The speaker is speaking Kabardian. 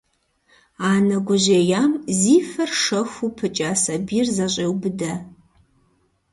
Анэ гужьеям зи фэр шэхуу пыкӏа сабийр зэщӏеубыдэ.